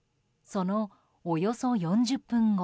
そのおよそ４０分後。